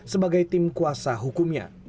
sebagai tim kuasa hukumnya